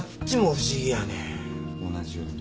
同じように。